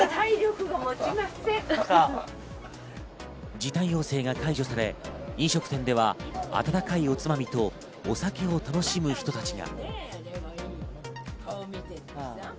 時短要請が解除され、飲食店では温かいおつまみとお酒を楽しむ人たちが。